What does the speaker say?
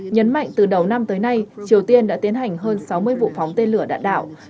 nhấn mạnh từ đầu năm tới nay triều tiên đã tiến hành hơn sáu mươi vụ phóng tên lửa đạn đạo